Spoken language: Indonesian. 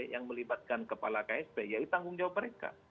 yang melibatkan kepala ksp yaitu tanggung jawab mereka